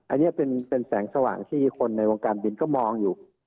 อันนี้เป็นแสงสว่างที่คนในวงการบินก็มองอยู่